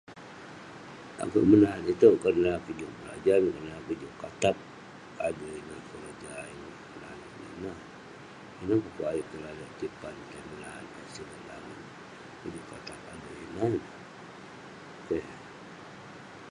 akouk menat itouk kerana kik juk berajan, kerana kik juk katap, adui ineh, keroja ineh yah nouk neh ineh..ineh pu'kuk ayuk kik lalek tai tapan, tai menat eh siget langit. akouk juk katap adui ineh, keh.